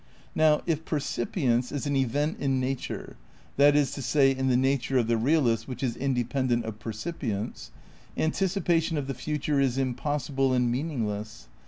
Now if percipience is an event in nature, that is to say, in the nature of the realist which is independent of percipience, anticipation of the future is impossible and meaningless.